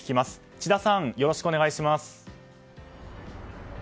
千田さん、よろしくお願いします。